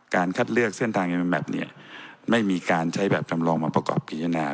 การคัดเลือกเส้นทางเมอร์แมปเนี่ยไม่มีการใช้แบบทำรองมาประกอบกิจนา